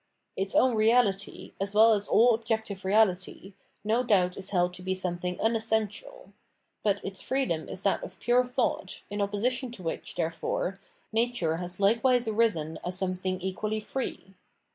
Its own reality, as well as all objective reality, no doubt is held to be something unessential ; but its freedom is that of pure thought, in opposition to which, therefore, nature has likewise arisen as some thing equally free.